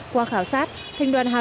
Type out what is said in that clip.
qua khảo sát thanh đoàn hà nội